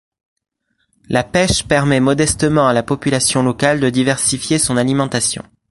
La pêche permet modestement à la population locale de diversifier son alimentation.